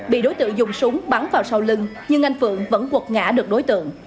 bị đối tượng dùng súng bắn vào sau lưng nhưng anh phượng vẫn quật ngã được đối tượng